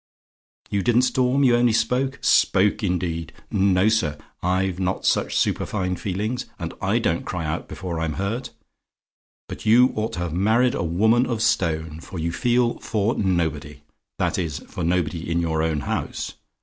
"YOU DIDN'T STORM? YOU ONLY SPOKE? "Spoke, indeed! No, sir: I've not such superfine feelings; and I don't cry out before I'm hurt. But you ought to have married a woman of stone, for you feel for nobody: that is, for nobody in your own house.